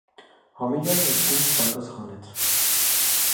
Ամիրյանը իսկույն չպատասխանեց: